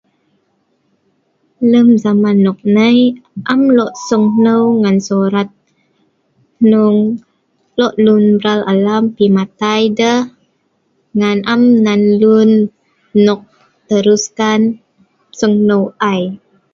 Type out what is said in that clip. Lem zaman noknai, am lo sungneu ngan surat. Hnong lo' lun mral alam, pi matai deh ngan am nan lun nok teruskan sungneu ai.